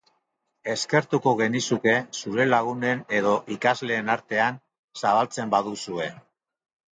Eskertuko genizuke zure lagunen edo ikasleen artean zabaltzen baduzue.